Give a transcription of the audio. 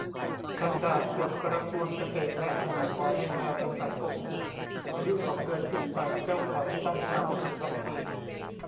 ประกาศกฎกระทรวงเกษตรและสหกรณ์ ให้แมวเป็นสัตว์ควบคุม อายุสองเดือนขึ้นไปเจ้าของต้องพาไปฉีดวัคซีน